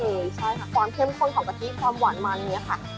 ใช่ค่ะความเข้มข้นของกะทิความหวานมันอย่างนี้ค่ะ